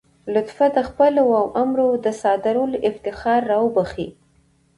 لطفا د خپلو اوامرو د صادرولو افتخار را وبخښئ.